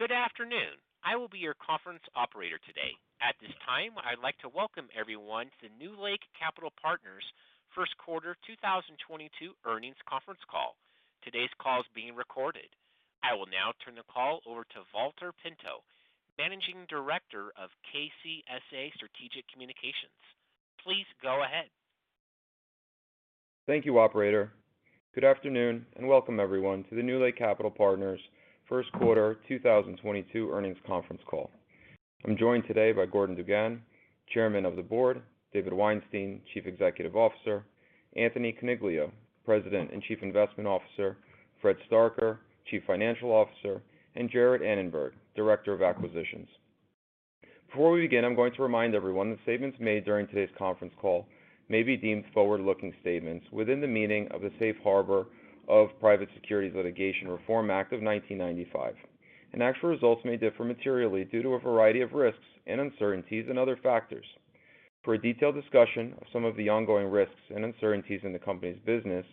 Good afternoon. I will be your conference operator today. At this time, I'd like to welcome everyone to NewLake Capital Partners' Q1 2022 earnings conference call. Today's call is being recorded. I will now turn the call over to Valter Pinto, Managing Director of KCSA Strategic Communications. Please go ahead. Thank you, operator. Good afternoon, and welcome everyone to the NewLake Capital Partners' Q1 2022 earnings conference call. I'm joined today by Gordon DuGan, Chairman of the Board, David Weinstein, Chief Executive Officer, Anthony Coniglio, President and Chief Investment Officer, Fred Starker, Chief Financial Officer, and Jarrett Annenberg, Director of Acquisitions. Before we begin, I'm going to remind everyone that statements made during today's conference call may be deemed forward-looking statements within the meaning of the Safe Harbor of Private Securities Litigation Reform Act of 1995, and actual results may differ materially due to a variety of risks and uncertainties and other factors. For a detailed discussion of some of the ongoing risks and uncertainties in the company's business,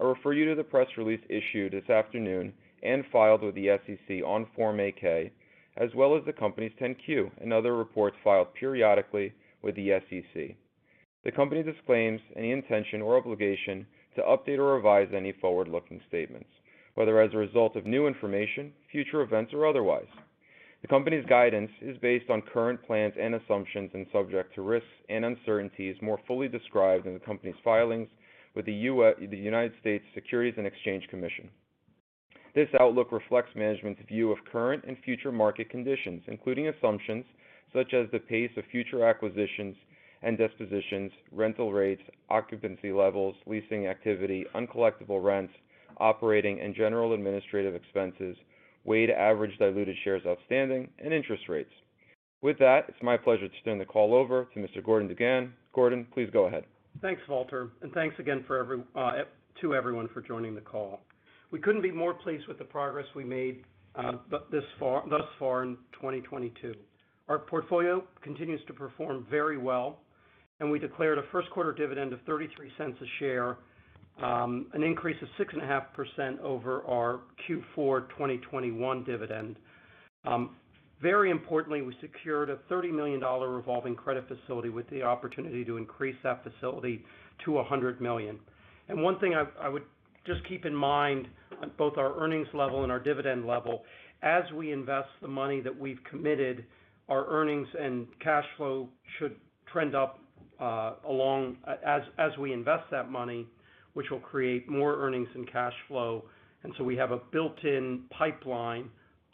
I refer you to the press release issued this afternoon and filed with the SEC on Form 8-K, as well as the company's 10-Q and other reports filed periodically with the SEC. The company disclaims any intention or obligation to update or revise any forward-looking statements, whether as a result of new information, future events, or otherwise. The company's guidance is based on current plans and assumptions and subject to risks and uncertainties more fully described in the company's filings with the United States Securities and Exchange Commission. This outlook reflects management's view of current and future market conditions, including assumptions such as the pace of future acquisitions and dispositions, rental rates, occupancy levels, leasing activity, uncollectible rents, operating and general administrative expenses, weighted average diluted shares outstanding, and interest rates. With that, it's my pleasure to turn the call over to Mr. Gordon DuGan. Gordon, please go ahead. Thanks, Valter, and thanks again to everyone for joining the call. We couldn't be more pleased with the progress we made thus far in 2022. Our portfolio continues to perform very well, and we declared a Q1 dividend of $0.33 a share, an increase of 6.5% over our Q4 2021 dividend. Very importantly, we secured a $30 million revolving credit facility with the opportunity to increase that facility to $100 million. One thing I would just keep in mind on both our earnings level and our dividend level, as we invest the money that we've committed, our earnings and cash flow should trend up, as we invest that money, which will create more earnings and cash flow. We have a built-in pipeline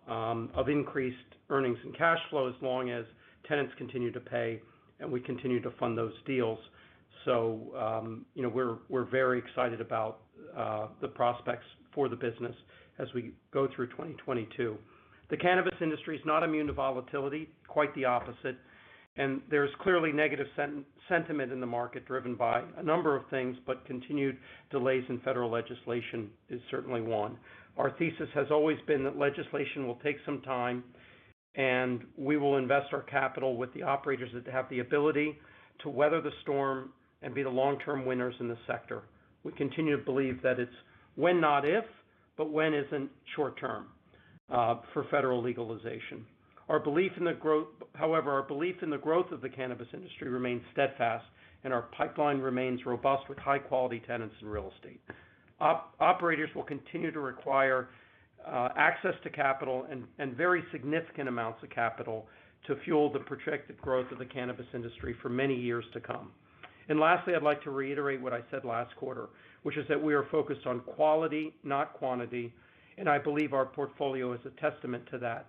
of increased earnings and cash flow as long as tenants continue to pay and we continue to fund those deals. You know, we're very excited about the prospects for the business as we go through 2022. The cannabis industry is not immune to volatility, quite the opposite. There's clearly negative sentiment in the market, driven by a number of things, but continued delays in federal legislation is certainly one. Our thesis has always been that legislation will take some time, and we will invest our capital with the operators that have the ability to weather the storm and be the long-term winners in this sector. We continue to believe that it's when, not if, but when isn't short-term for federal legalization. However, our belief in the growth of the cannabis industry remains steadfast, and our pipeline remains robust with high-quality tenants and real estate. Operators will continue to require access to capital and very significant amounts of capital to fuel the projected growth of the cannabis industry for many years to come. Lastly, I'd like to reiterate what I said last quarter, which is that we are focused on quality, not quantity, and I believe our portfolio is a testament to that.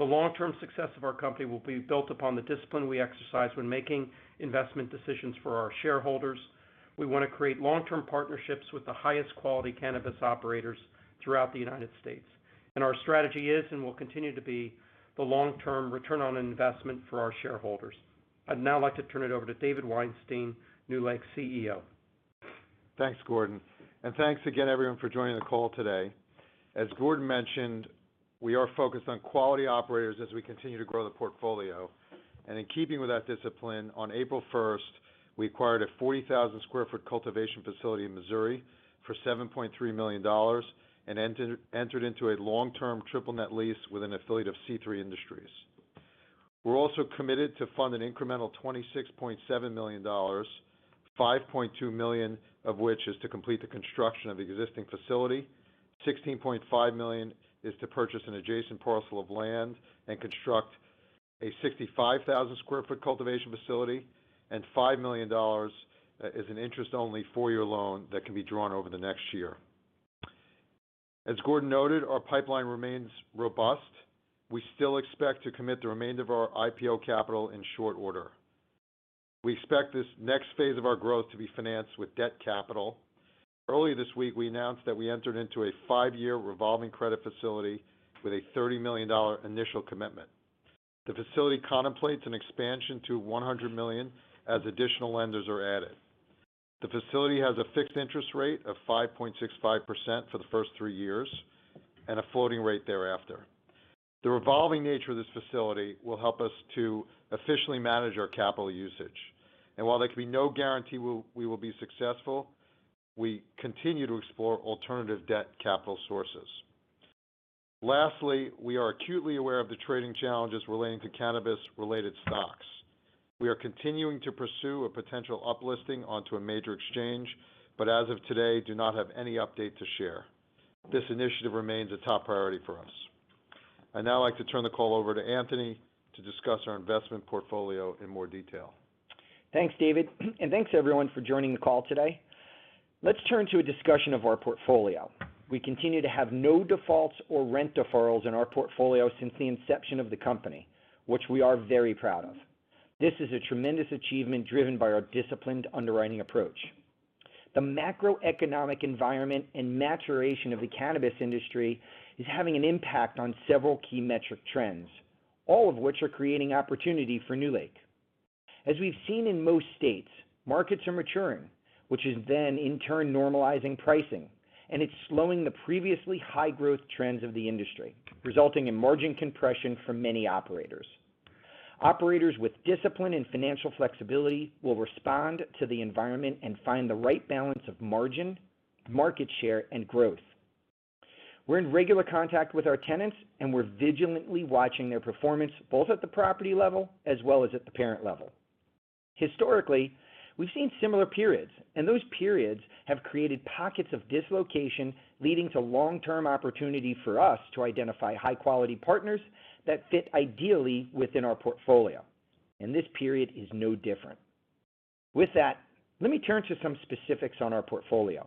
The long-term success of our company will be built upon the discipline we exercise when making investment decisions for our shareholders. We wanna create long-term partnerships with the highest quality cannabis operators throughout the United States. Our strategy is and will continue to be the long-term return on investment for our shareholders. I'd now like to turn it over to David Weinstein, NewLake CEO. Thanks, Gordon. Thanks again everyone for joining the call today. As Gordon mentioned, we are focused on quality operators as we continue to grow the portfolio. In keeping with that discipline, on April first, we acquired a 40,000 sq ft cultivation facility in Missouri for $7.3 million and entered into a long-term triple net lease with an affiliate of C3 Industries. We're also committed to fund an incremental $26.7 million, $5.2 million of which is to complete the construction of the existing facility. $16.5 million is to purchase an adjacent parcel of land and construct a 65,000 sq ft cultivation facility, and $5 million is an interest-only four-year loan that can be drawn over the next year. As Gordon noted, our pipeline remains robust. We still expect to commit the remainder of our IPO capital in short order. We expect this next phase of our growth to be financed with debt capital. Earlier this week, we announced that we entered into a 5-year revolving credit facility with a $30 million initial commitment. The facility contemplates an expansion to $100 million as additional lenders are added. The facility has a fixed interest rate of 5.65% for the first 3 years and a floating rate thereafter. The revolving nature of this facility will help us to efficiently manage our capital usage. While there can be no guarantee we will be successful, we continue to explore alternative debt capital sources. Lastly, we are acutely aware of the trading challenges relating to cannabis-related stocks. We are continuing to pursue a potential uplisting onto a major exchange, but as of today, do not have any update to share. This initiative remains a top priority for us. I'd now like to turn the call over to Anthony to discuss our investment portfolio in more detail. Thanks, David, and thanks everyone for joining the call today. Let's turn to a discussion of our portfolio. We continue to have no defaults or rent deferrals in our portfolio since the inception of the company, which we are very proud of. This is a tremendous achievement driven by our disciplined underwriting approach. The macroeconomic environment and maturation of the cannabis industry is having an impact on several key metric trends, all of which are creating opportunity for NewLake. As we've seen in most states, markets are maturing, which is then in turn normalizing pricing, and it's slowing the previously high growth trends of the industry, resulting in margin compression for many operators. Operators with discipline and financial flexibility will respond to the environment and find the right balance of margin, market share, and growth. We're in regular contact with our tenants, and we're vigilantly watching their performance both at the property level as well as at the parent level. Historically, we've seen similar periods, and those periods have created pockets of dislocation, leading to long-term opportunity for us to identify high-quality partners that fit ideally within our portfolio, and this period is no different. With that, let me turn to some specifics on our portfolio.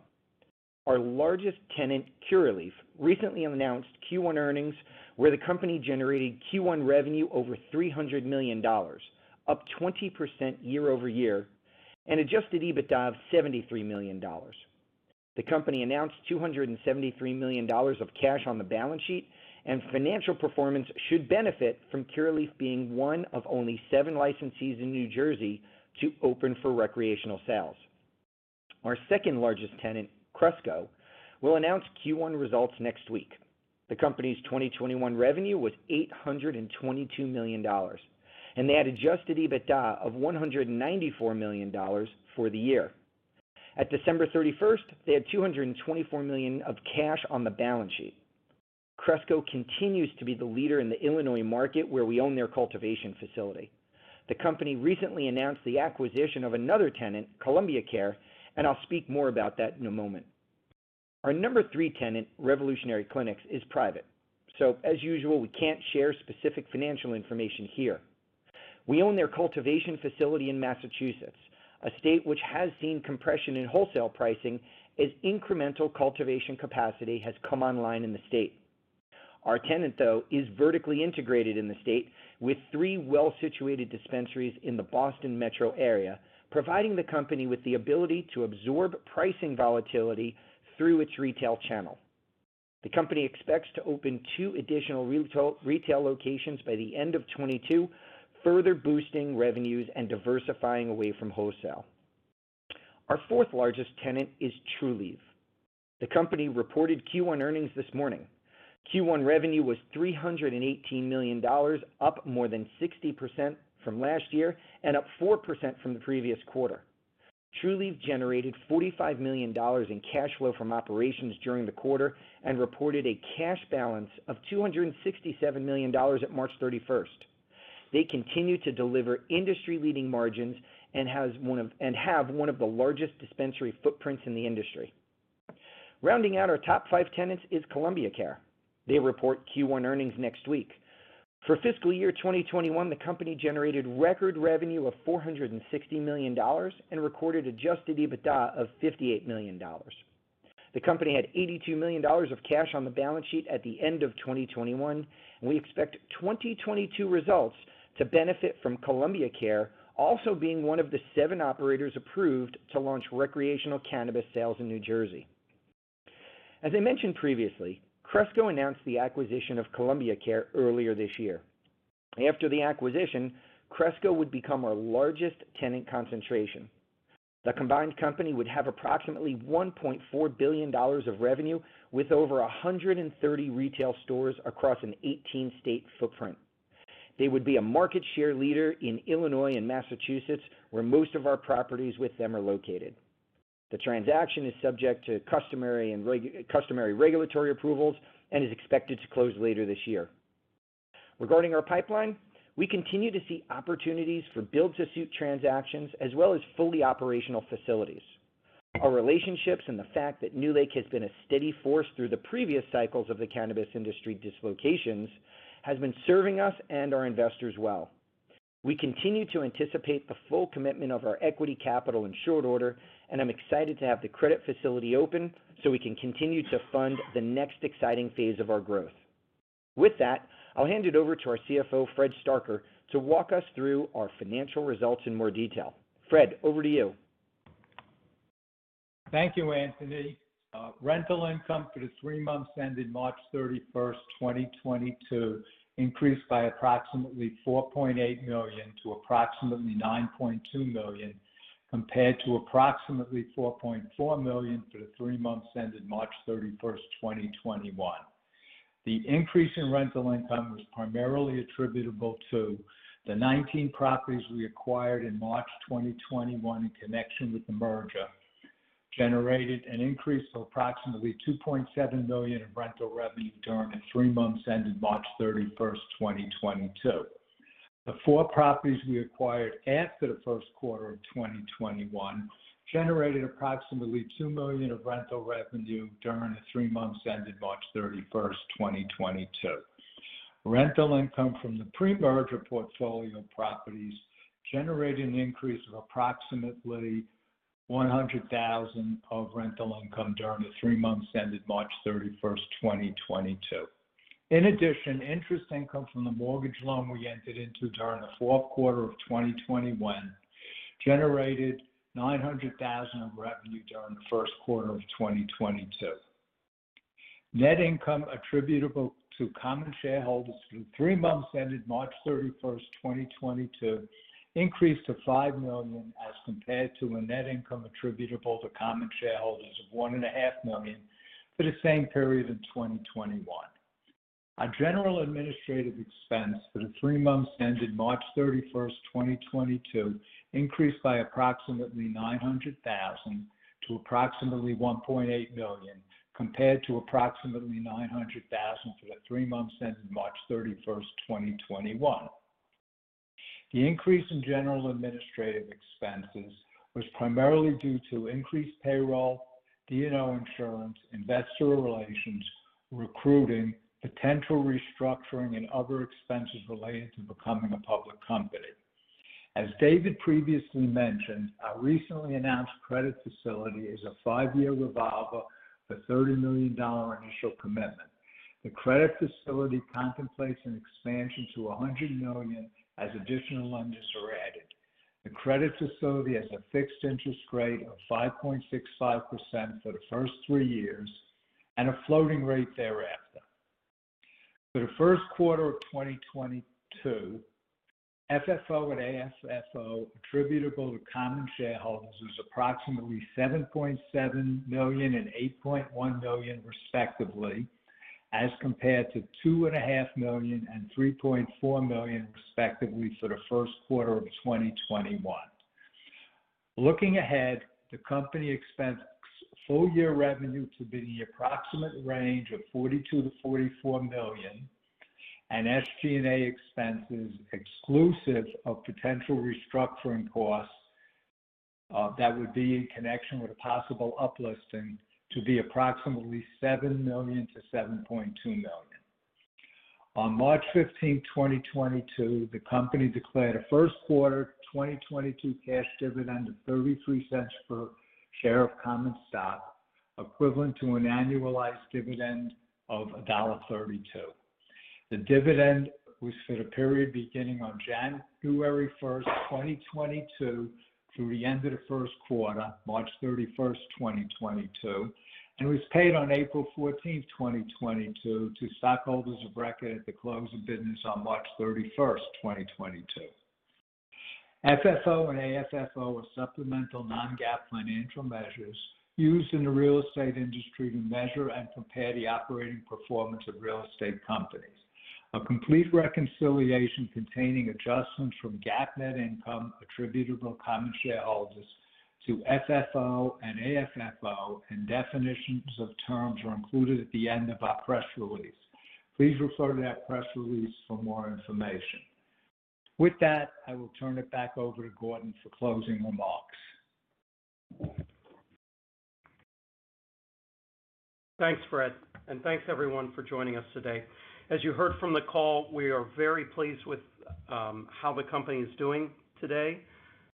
Our largest tenant, Curaleaf, recently announced Q1 earnings, where the company generated Q1 revenue over $300 million, up 20% year-over-year, and adjusted EBITDA of $73 million. The company announced $273 million of cash on the balance sheet, and financial performance should benefit from Curaleaf being one of only seven licensees in New Jersey to open for recreational sales. Our second-largest tenant, Cresco Labs, will announce Q1 results next week. The company's 2021 revenue was $822 million, and they had adjusted EBITDA of $194 million for the year. At December 31, they had $224 million of cash on the balance sheet. Cresco continues to be the leader in the Illinois market, where we own their cultivation facility. The company recently announced the acquisition of another tenant, Columbia Care, and I'll speak more about that in a moment. Our number three tenant, Revolutionary Clinics, is private, so as usual, we can't share specific financial information here. We own their cultivation facility in Massachusetts, a state which has seen compression in wholesale pricing as incremental cultivation capacity has come online in the state. Our tenant, though, is vertically integrated in the state with three well-situated dispensaries in the Boston Metro area, providing the company with the ability to absorb pricing volatility through its retail channel. The company expects to open two additional retail locations by the end of 2022, further boosting revenues and diversifying away from wholesale. Our fourth largest tenant is Trulieve. The company reported Q1 earnings this morning. Q1 revenue was $318 million, up more than 60% from last year and up 4% from the previous quarter. Trulieve generated $45 million in cash flow from operations during the quarter and reported a cash balance of $267 million at March 31. They continue to deliver industry-leading margins and have one of the largest dispensary footprints in the industry. Rounding out our top five tenants is Columbia Care. They report Q1 earnings next week. For fiscal year 2021, the company generated record revenue of $460 million and recorded adjusted EBITDA of $58 million. The company had $82 million of cash on the balance sheet at the end of 2021, and we expect 2022 results to benefit from Columbia Care also being one of the seven operators approved to launch recreational cannabis sales in New Jersey. As I mentioned previously, Cresco announced the acquisition of Columbia Care earlier this year. After the acquisition, Cresco would become our largest tenant concentration. The combined company would have approximately $1.4 billion of revenue with over 130 retail stores across an 18-state footprint. They would be a market share leader in Illinois and Massachusetts, where most of our properties with them are located. The transaction is subject to customary regulatory approvals and is expected to close later this year. Regarding our pipeline, we continue to see opportunities for build-to-suit transactions as well as fully operational facilities. Our relationships and the fact that NewLake has been a steady force through the previous cycles of the cannabis industry dislocations has been serving us and our investors well. We continue to anticipate the full commitment of our equity capital in short order, and I'm excited to have the credit facility open so we can continue to fund the next exciting phase of our growth. With that, I'll hand it over to our CFO, Fred Starker, to walk us through our financial results in more detail. Fred, over to you. Thank you, Anthony. Rental income for the three months ended March 31, 2022 increased by approximately $4.8 million to approximately $9.2 million compared to approximately $4.4 million for the three months ended March 31, 2021. The increase in rental income was primarily attributable to the 19 properties we acquired in March 2021 in connection with the merger, generated an increase of approximately $2.7 million in rental revenue during the three months ended March 31, 2022. The 4 properties we acquired after the Q1 of 2021 generated approximately $2 million of rental revenue during the three months ended March 31, 2022. Rental income from the pre-merger portfolio properties generated an increase of approximately $100,000 of rental income during the three months ended March 31, 2022. In addition, interest income from the mortgage loan we entered into during the Q4 of 2021 generated $900,000 of revenue during the Q1 of 2022. Net income attributable to common shareholders through three months ended March thirty-first, 2022 increased to $5 million as compared to a net income attributable to common shareholders of $1.5 million for the same period in 2021. Our general administrative expense for the three months ended March thirty-first, 2022 increased by approximately $900,000 to approximately $1.8 million, compared to approximately $900,000 for the three months ended March thirty-first, 2021. The increase in general administrative expenses was primarily due to increased payroll, D&O insurance, investor relations, recruiting, potential restructuring and other expenses related to becoming a public company. As David previously mentioned, our recently announced credit facility is a 5-year revolver with a $30 million initial commitment. The credit facility contemplates an expansion to $100 million as additional lenders are added. The credit facility has a fixed interest rate of 5.65% for the first three years and a floating rate thereafter. For the Q1 of 2022, FFO and AFFO attributable to common shareholders was approximately $7.7 million and $8.1 million respectively, as compared to $2.5 million and $3.4 million respectively for the Q1 of 2021. Looking ahead, the company expects full year revenue to be in the approximate range of $42 million-$44 million, and SG&A expenses exclusive of potential restructuring costs, that would be in connection with a possible uplisting to be approximately $7 million-$7.2 million. On March 15, 2022, the company declared a Q1 2022 cash dividend of $0.33 per share of common stock, equivalent to an annualized dividend of $1.32. The dividend was for the period beginning on January 1, 2022, through the end of the Q1, March 31, 2022, and was paid on April 14, 2022 to stockholders of record at the close of business on March 31, 2022. FFO and AFFO are supplemental non-GAAP financial measures used in the real estate industry to measure and compare the operating performance of real estate companies. A complete reconciliation containing adjustments from GAAP net income attributable to common shareholders to FFO and AFFO and definitions of terms are included at the end of our press release. Please refer to that press release for more information. With that, I will turn it back over to Gordon DuGan for closing remarks. Thanks, Fred, and thanks everyone for joining us today. As you heard from the call, we are very pleased with how the company is doing today.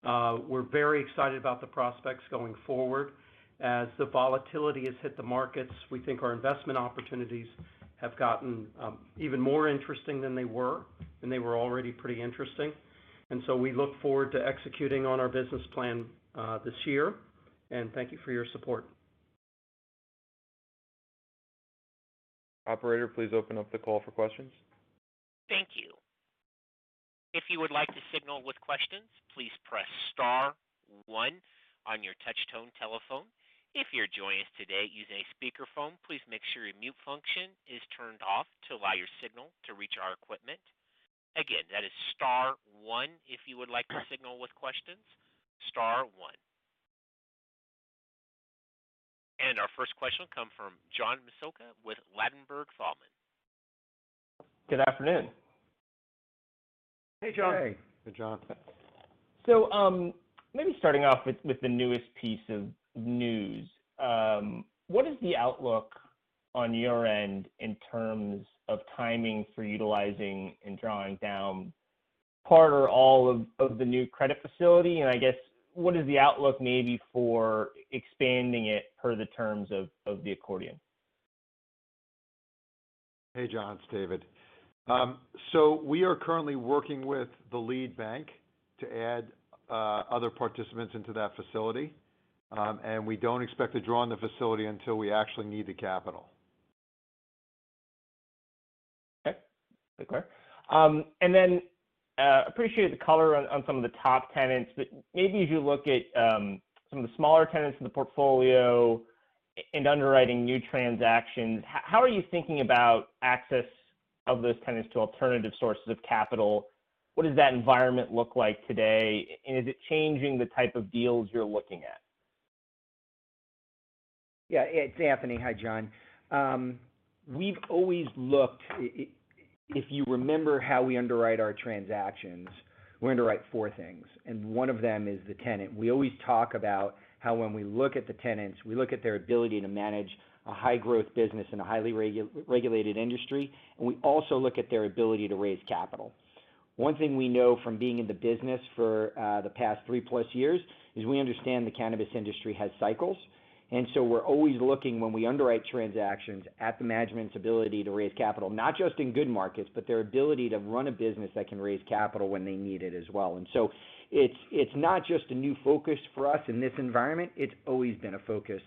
We're very excited about the prospects going forward. As the volatility has hit the markets, we think our investment opportunities have gotten even more interesting than they were, and they were already pretty interesting. We look forward to executing on our business plan this year. Thank you for your support. Operator, please open up the call for questions. Thank you. If you would like to signal with questions, please press star one on your touch tone telephone. If you're joining us today using a speakerphone, please make sure your mute function is turned off to allow your signal to reach our equipment. Again, that is star one if you would like to signal with questions, star one. Our first question will come from John Massocca with Ladenburg Thalmann. Good afternoon. Hey, John. Hey. Hey, John. Maybe starting off with the newest piece of news. What is the outlook on your end in terms of timing for utilizing and drawing down part or all of the new credit facility? I guess, what is the outlook maybe for expanding it per the terms of the accordion? Hey, John, it's David. We are currently working with the lead bank to add other participants into that facility. We don't expect to draw on the facility until we actually need the capital. Okay. Clear. Appreciate the color on some of the top tenants. Maybe as you look at some of the smaller tenants in the portfolio and underwriting new transactions, how are you thinking about access of those tenants to alternative sources of capital? What does that environment look like today? Is it changing the type of deals you're looking at? Yeah. It's Anthony. Hi, John. We've always looked if you remember how we underwrite our transactions, we underwrite four things, and one of them is the tenant. We always talk about how when we look at the tenants, we look at their ability to manage a high growth business in a highly regulated industry, and we also look at their ability to raise capital. One thing we know from being in the business for the past three-plus years is we understand the cannabis industry has cycles. We're always looking when we underwrite transactions at the management's ability to raise capital, not just in good markets, but their ability to run a business that can raise capital when they need it as well. It's not just a new focus for us in this environment, it's always been a focus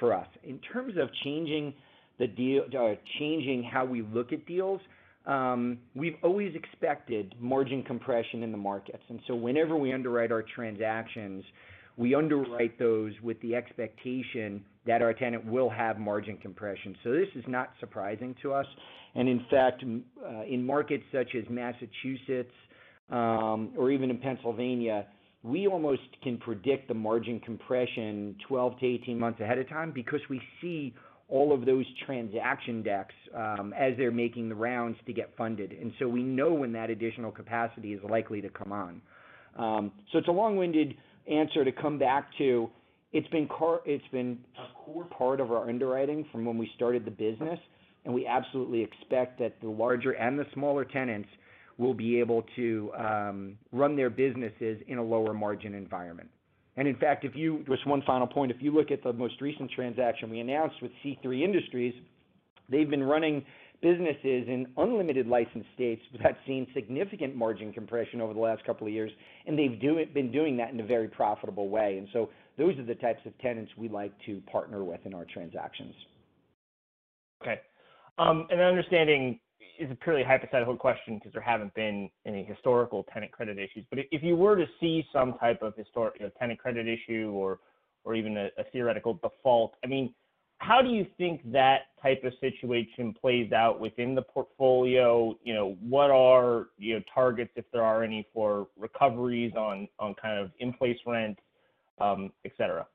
for us. In terms of changing the deal or changing how we look at deals, we've always expected margin compression in the markets. Whenever we underwrite our transactions, we underwrite those with the expectation that our tenant will have margin compression. This is not surprising to us. In fact, in markets such as Massachusetts or even in Pennsylvania, we almost can predict the margin compression 12-18 months ahead of time because we see all of those transaction decks as they're making the rounds to get funded. We know when that additional capacity is likely to come on. It's a long-winded answer to come back to. It's been a core part of our underwriting from when we started the business, and we absolutely expect that the larger and the smaller tenants will be able to run their businesses in a lower margin environment. In fact, just one final point. If you look at the most recent transaction we announced with C3 Industries, they've been running businesses in unlimited licensed states that have seen significant margin compression over the last couple of years, and they've been doing that in a very profitable way. Those are the types of tenants we like to partner with in our transactions. Okay. Understanding is a purely hypothetical question because there haven't been any historical tenant credit issues. If you were to see some type of historic, you know, tenant credit issue or even a theoretical default, I mean, how do you think that type of situation plays out within the portfolio? You know, what are, you know, targets, if there are any, for recoveries on kind of in-place rents, et cetera?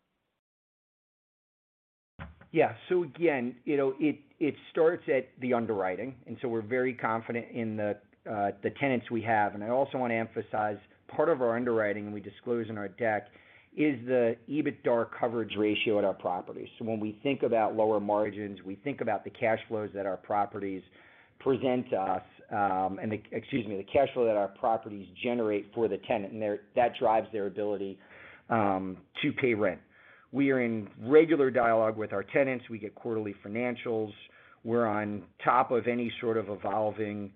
Yeah. Again, you know, it starts at the underwriting, and we're very confident in the tenants we have. I also want to emphasize, part of our underwriting, and we disclose in our deck, is the EBITDA coverage ratio at our properties. When we think about lower margins, we think about the cash flows that our properties present to us, and the cash flow that our properties generate for the tenant, that drives their ability to pay rent. We are in regular dialogue with our tenants. We get quarterly financials. We're on top of any sort of evolving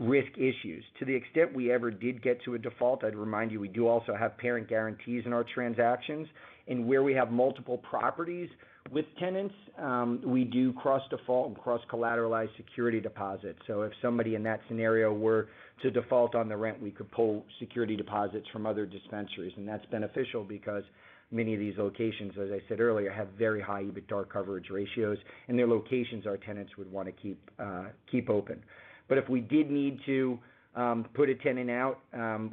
risk issues. To the extent we ever did get to a default, I'd remind you, we do also have parent guarantees in our transactions. Where we have multiple properties with tenants, we do cross-default and cross-collateralized security deposits. If somebody in that scenario were to default on the rent, we could pull security deposits from other dispensaries. That's beneficial because many of these locations, as I said earlier, have very high EBITDA coverage ratios, and they're locations our tenants would wanna keep open. If we did need to put a tenant out,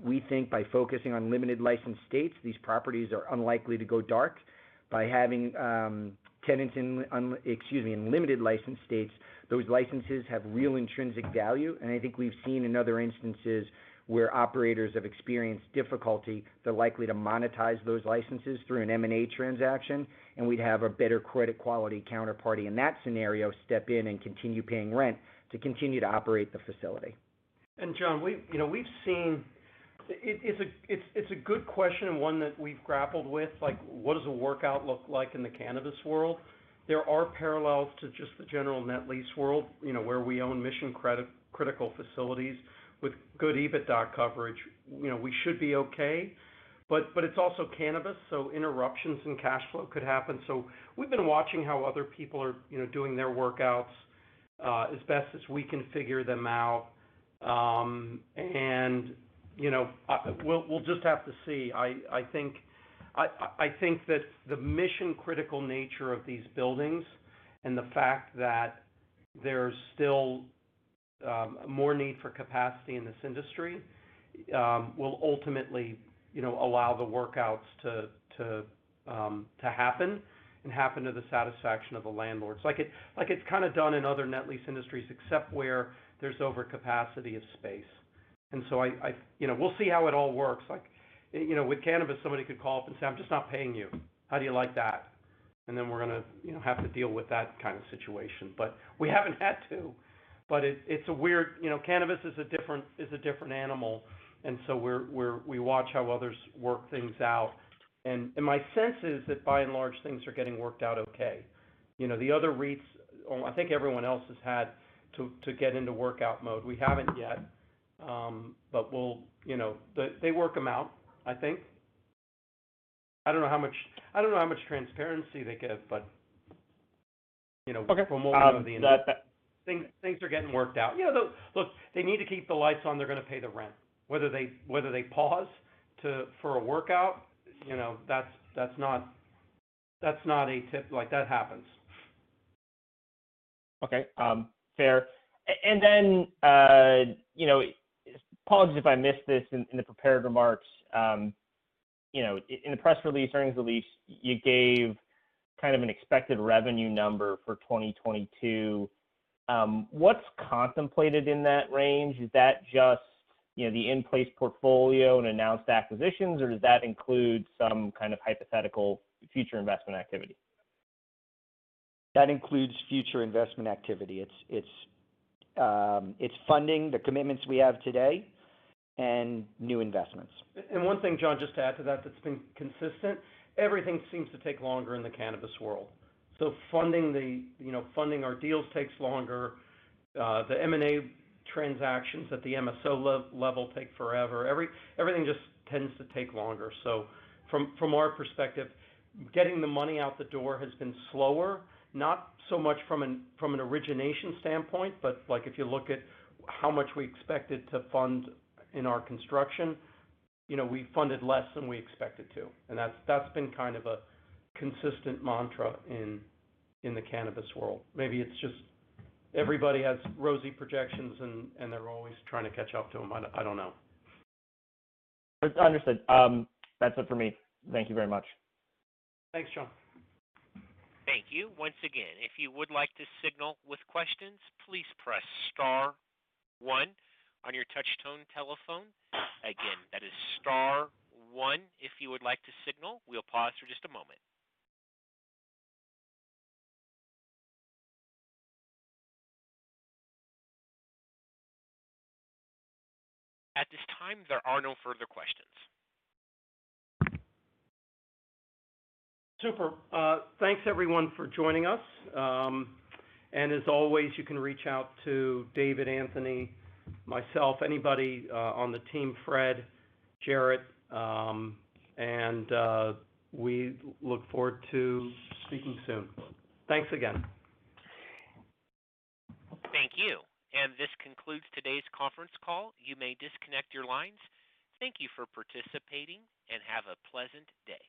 we think by focusing on limited licensed states, these properties are unlikely to go dark. By having tenants in limited licensed states, those licenses have real intrinsic value. I think we've seen in other instances where operators have experienced difficulty, they're likely to monetize those licenses through an M&A transaction, and we'd have a better credit quality counterparty in that scenario step in and continue paying rent to continue to operate the facility. John, it's a good question and one that we've grappled with, like what does a workout look like in the cannabis world? There are parallels to just the general net lease world, you know, where we own mission-critical facilities with good EBITDA coverage. You know, we should be okay. But it's also cannabis, so interruptions in cash flow could happen. We've been watching how other people are, you know, doing their workouts, as best as we can figure them out. You know, we'll just have to see. I think that the mission-critical nature of these buildings and the fact that there's still more need for capacity in this industry will ultimately, you know, allow the workouts to happen and happen to the satisfaction of the landlords. Like, it's kind of done in other net lease industries, except where there's overcapacity of space. You know, we'll see how it all works. Like, you know, with cannabis, somebody could call up and say, "I'm just not paying you. How do you like that?" We're gonna, you know, have to deal with that kind of situation. We haven't had to. It's weird. You know, cannabis is a different animal. We watch how others work things out. My sense is that by and large, things are getting worked out okay. You know, the other REITs, I think everyone else has had to get into workout mode. We haven't yet. We'll, you know, they work them out, I think. I don't know how much transparency they give, but you know. Okay. Things are getting worked out. You know, look, they need to keep the lights on, they're gonna pay the rent. Whether they pause for a workout, you know, that's not a tip. Like, that happens. Okay, fair. You know, apologies if I missed this in the prepared remarks. You know, in the press release, earnings release, you gave kind of an expected revenue number for 2022. What's contemplated in that range? Is that just, you know, the in-place portfolio and announced acquisitions, or does that include some kind of hypothetical future investment activity? That includes future investment activity. It's funding the commitments we have today and new investments. One thing, John, just to add to that's been consistent. Everything seems to take longer in the cannabis world. So funding the, you know, funding our deals takes longer. The M&A transactions at the MSO level take forever. Everything just tends to take longer. So from our perspective, getting the money out the door has been slower, not so much from an origination standpoint, but, like, if you look at how much we expected to fund in our construction, you know, we funded less than we expected to. That's been kind of a consistent mantra in the cannabis world. Maybe it's just everybody has rosy projections and they're always trying to catch up to them. I don't know. Understood. That's it for me. Thank you very much. Thanks, John. Thank you. Once again, if you would like to signal with questions, please press star one on your touch tone telephone. Again, that is star one if you would like to signal. We'll pause for just a moment. At this time, there are no further questions. Super. Thanks everyone for joining us. As always, you can reach out to David, Anthony, myself, anybody on the team, Fred, Jarrett, and we look forward to speaking soon. Thanks again. Thank you. This concludes today's conference call. You may disconnect your lines. Thank you for participating, and have a pleasant day.